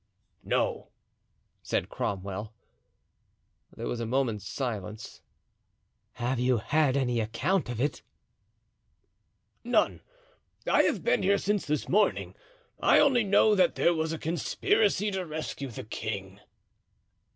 "No," said Cromwell. There was a moment's silence. "Have you had any account of it?" "None. I have been here since the morning. I only know that there was a conspiracy to rescue the king."